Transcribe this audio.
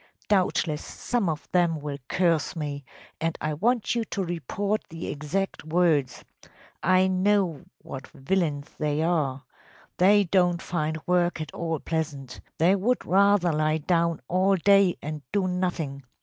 Doubtless some of them will curse me, and I want you to report the exact words. I know what villains they are. They don’t find work at all pleasant. They would rather lie down all day and do nothing.